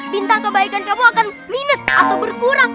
bintang kebaikan kamu akan minus atau berkurang